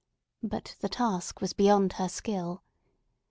But the task was beyond her skill.